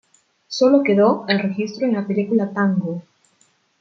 Solo quedó el registro en la película "Tango!